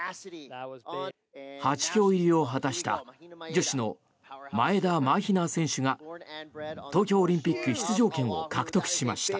８強入りを果たした女子の前田マヒナ選手が東京オリンピック出場権を獲得しました。